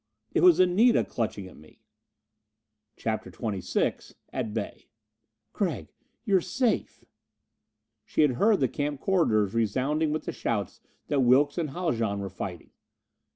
It was Anita clutching at me! CHAPTER XXVI At Bay "Gregg, you're safe!" She had heard the camp corridors resounding with the shouts that Wilks and Haljan were fighting.